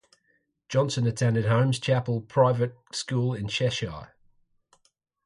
Johnson attended Holmes Chapel Comprehensive School in Cheshire.